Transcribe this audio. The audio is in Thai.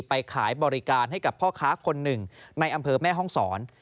ไปขายบริการให้กับพ่อค้าคนหนึ่งในอำเภอแม่ห้องศร